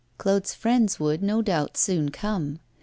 Claude's friends would, no doubt, soon come.